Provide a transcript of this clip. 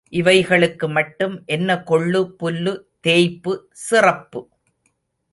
இவைகளுக்கு மட்டும் என்ன கொள்ளு, புல்லு, தேய்ப்பு, சிறப்பு!